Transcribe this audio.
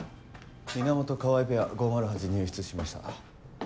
源川合ペア５０８入室しました。